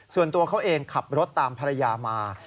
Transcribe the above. ส่วนตัวเขาเองขับรถตามภรรยามา